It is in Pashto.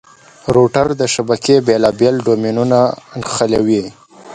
روټر د شبکې بېلابېل ډومېنونه نښلوي.